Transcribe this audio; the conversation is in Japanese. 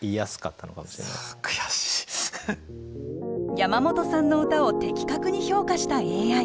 山本さんの歌を的確に評価したＡＩ。